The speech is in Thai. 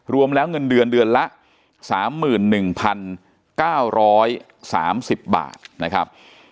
รวมแล้วเงินเดือนเดือนละ๓๑๙๓๐บาทนะครับ